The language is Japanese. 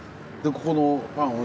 ここのパン。